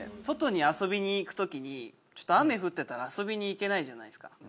外に遊びに行く時に雨降ってたら遊びに行けないじゃないですか。